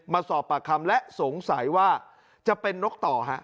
มาสอบปากคำและสงสัยว่าจะเป็นนกต่อฮะ